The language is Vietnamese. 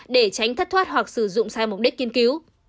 để tránh thất thoát hoặc sử dụng sai mục đích kiên cứu